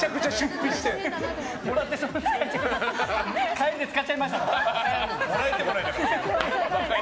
帰りで使っちゃいましたって。